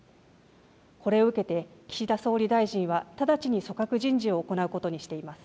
これを受けて岸田総理大臣は直ちに組閣人事を行うことにしています。